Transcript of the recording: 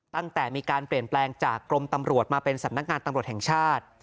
ตั้งแต่มีการเปลี่ยนแปลงจากกรมตำรวจมาเป็นสำนักงานตำรวจแห่งชาติ